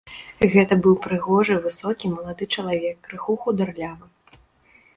Гэта быў прыгожы, высокі малады чалавек, крыху хударлявы.